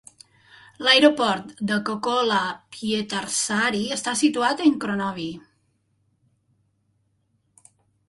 L'aeroport de Kokkola-Pietarsaari està situat en Kronobi.